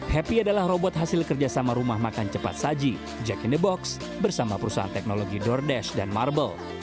happy adalah robot hasil kerjasama rumah makan cepat saji jack in the box bersama perusahaan teknologi doordesh dan marble